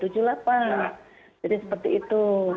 jadi seperti itu